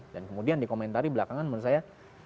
dan kemudian dikomentari belakangan menurut saya